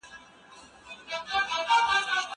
زه به کتابتون ته تللي وي!.